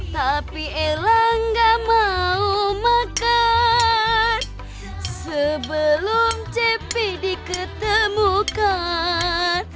tapi ela gak mau makan sebelum cepi diketemukan